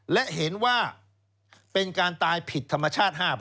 และเห็นว่าเป็นการตายผิดธรรมชาติ๕